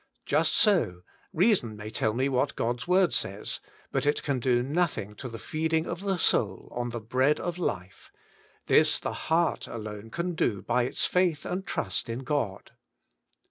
Just so, reason may tell me what God's word says, but it can do nothing to the feeding of the soul on the bread of life — this the heart alone can do by its faith and trust in God.